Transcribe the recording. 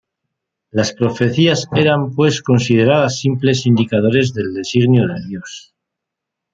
Las profecías eran, pues, consideradas simples indicadores del designio de Dios.